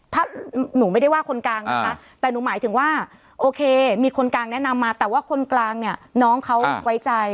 ถ้าหนูไม่ได้ว่าคนกลางนะคะแต่หนูหมายถึงว่าโอเคมีคนกลางแนะนำมาแต่ว่าคนกลางเนี่ยน้องเขาไว้ใจ